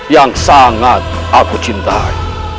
yang sangat aku cintai